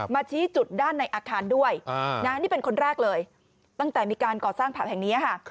ชี้จุดด้านในอาคารด้วยนี่เป็นคนแรกเลยตั้งแต่มีการก่อสร้างผับแห่งนี้ค่ะ